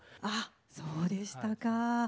あそうでしたか。